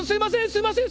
すいません！」。